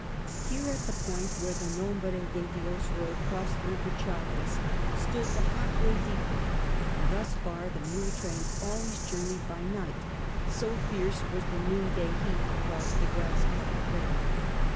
Here, at the point where the Nombre de Dios road crossed the river Chagres, stood the half way depot, and thus far the mule trains always journeyed by night, so fierce was the noonday heat across the grass clad prairie.